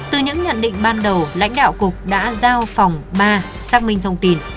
từ những nhận định ban đầu lãnh đạo cục đã giao phòng ba xác minh thông tin